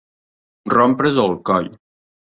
Rompre's el coll.